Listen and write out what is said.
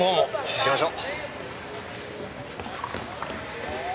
行きましょう。